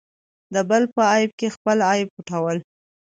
د بل په عیب کې خپل عیب پټول.